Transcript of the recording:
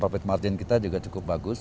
profit margin kita juga cukup bagus